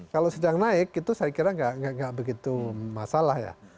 kalau sedang naik itu saya kira nggak begitu masalah ya